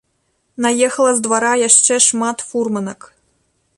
Наехала з двара яшчэ шмат фурманак.